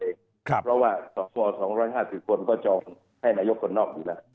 เพราะว่าสค๒๕๐คนก็จองให้นายกคนนอกอยู่แล้ว